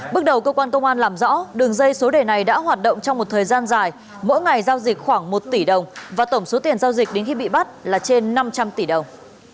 bước đầu cơ quan công an làm rõ đường dây số đề này đã hoạt động trong một thời gian dài mỗi ngày giao dịch khoảng một tỷ đồng và tổng số tiền giao dịch đến khi bị bắt là trên năm trăm linh tỷ đồng